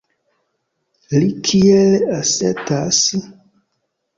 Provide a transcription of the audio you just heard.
Li kiel asertas?